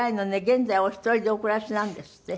現在お一人でお暮らしなんですって？